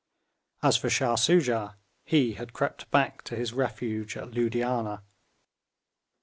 As for Shah Soojah, he had crept back to his refuge at Loodianah.